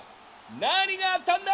何があったんだ！